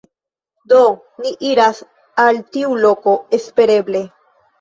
Do, ni iras al tiu loko, espereble